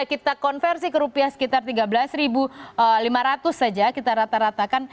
kita konversi ke rupiah sekitar tiga belas lima ratus saja kita rata ratakan